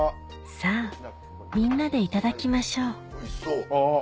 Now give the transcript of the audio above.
さぁみんなでいただきましょうおいしそう！